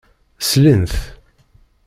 Slin-t.